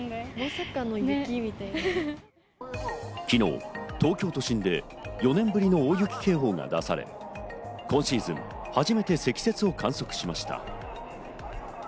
昨日、東京都心で４年ぶりの大雪警報が出され、今シーズン初めて積雪を観測しました。